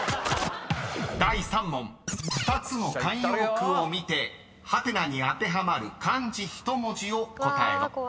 ［第３問２つの慣用句を見てハテナに当てはまる漢字１文字を答えろ］